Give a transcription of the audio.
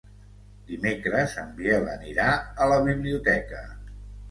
Dimecres en Biel anirà a la biblioteca.